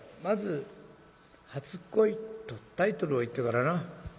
まず『初恋』とタイトルを言ってからな。